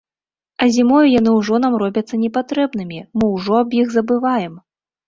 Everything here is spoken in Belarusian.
А зімою яны ўжо нам робяцца непатрэбнымі, мы ўжо аб іх забываем.